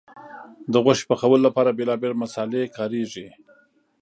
د غوښې پخولو لپاره بیلابیل مسالې کارېږي.